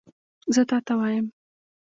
زه تا ته وایم !